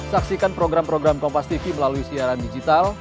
saksikan program program kompastv melalui siaran digital